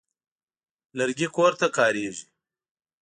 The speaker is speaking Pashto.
لرګي کور ته کارېږي.